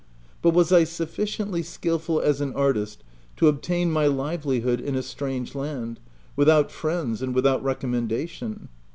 But was I sufficiently skilful as an artist to obtain my livelihood in a strange land, with out friends and without recommendation